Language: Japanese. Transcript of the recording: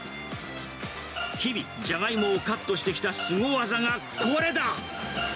日々ジャガイモをカットしてきたすご技がこれだ。